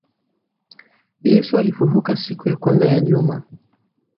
Yesu alifufukaka siku ya kwanza ya juma